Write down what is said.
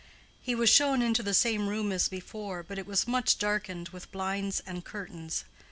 He was shown into the same room as before; but it was much darkened with blinds and curtains.